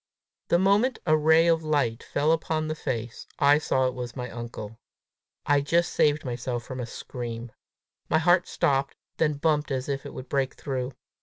The moment a ray of light fell upon the face, I saw it was my uncle. I just saved myself from a scream. My heart stopped, then bumped as if it would break through.